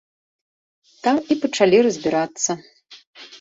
Там і пачалі разбірацца.